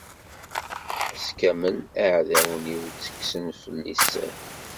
Ass kamel, iɛdawen-iw ttekksen fell-i sser.